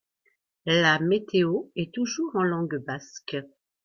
La météo est toujours en langue basque.